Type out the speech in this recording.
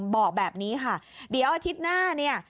บอกแบบนี้ค่ะเดี๋ยวอาทิตย์หน้าเนี่ย